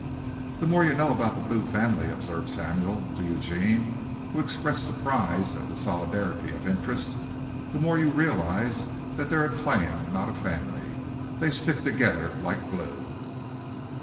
"The more you know about the Blue family," observed Samuel to Eugene, who expressed surprise at the solidarity of interest, "the more you realize that they're a clan not a family. They stick together like glue."